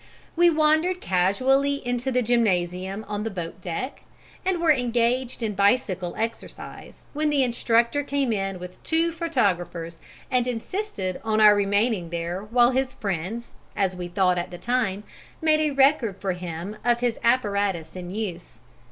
We wandered casually into the gymnasium on the boatdeck, and were engaged in bicycle exercise when the instructor came in with two photographers and insisted on our remaining there while his friends as we thought at the time made a record for him of his apparatus in use.